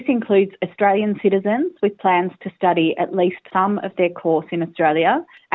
ini mengenai orang orang australia